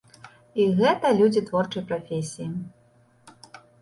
І гэта людзі творчай прафесіі!